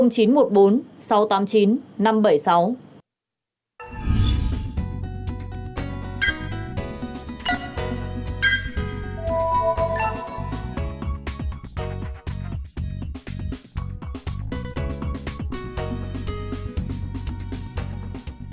cục hàng không bộ giao thông vận tải